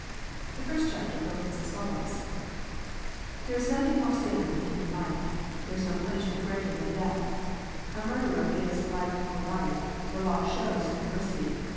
The first chapter opens as follows :—" There is nothing more sacred than human life : there is no punishment greater than death. A murderer gives life for life : the law shows no mercy.